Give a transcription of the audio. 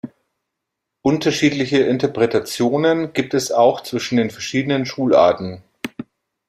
Unterschiedliche Interpretationen gibt es auch zwischen den verschiedenen Schularten.